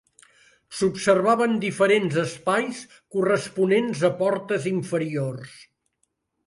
S'observaven diferents espais corresponents a portes inferiors.